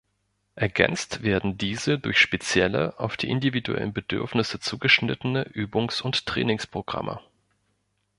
Ergänzt werden diese durch spezielle, auf die individuellen Bedürfnisse zugeschnittene Übungs- und Trainingsprogramme.